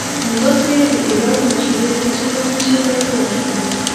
نو داسې د علاج مشورې هيڅوک هم نشي درکولے -